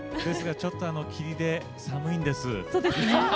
ですがちょっと霧で寒いんです。